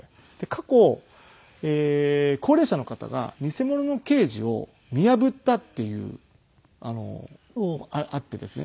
過去高齢者の方が偽物の刑事を見破ったっていうあってですね。